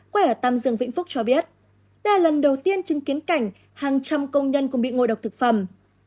quay ở tàm dương vĩnh phúc cho biết đây là lần đầu tiên chứng kiến cảnh hàng trăm công nhân cũng bị ngồi đọc thực phẩm